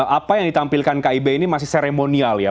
apa yang ditampilkan kib ini masih seremonial ya